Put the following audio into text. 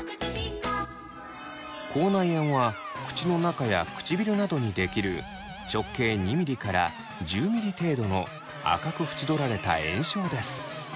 口内炎は口の中や唇などに出来る直径２ｍｍから１０ｍｍ程度の赤く縁取られた炎症です。